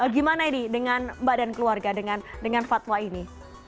gimana ini dengan mbak dan keluarga dengan fatwa ini